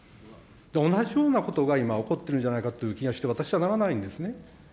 同じようなことが今、起こってるんじゃないかという気がして私はならないんですね。